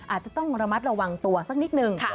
อาจจะต้องระมัดระวังตัวสักนิดนึง